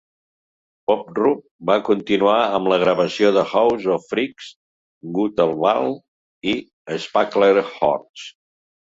Bob Rup va continuar amb la gravació de House of Freaks, Gutterball i Sparklehorse.